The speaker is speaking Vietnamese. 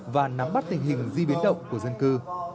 và nắm bắt tình hình di biến động của dân cư